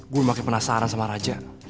gue makin penasaran sama raja